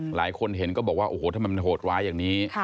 หลายคนเห็นก็บอกว่าโอ้โหทำไมมันโหดร้ายอย่างนี้